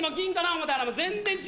思ったら全然違うの。